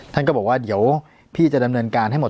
ท่านก็บอกว่าเดี๋ยวพี่จะดำเนินการให้หมด